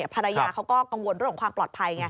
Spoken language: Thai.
ภรรยาเขาก็กังวลเรื่องของความปลอดภัยไง